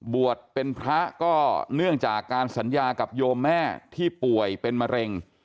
บวชเป็นพระก็เนื่องจากการสัญญากับโยมแม่ที่ป่วยเป็นมะเร็ง